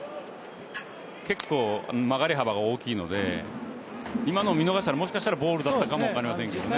結構、曲がり幅が大きいので今のを見逃したらもしかしたらボールだったかもしれませんけどね。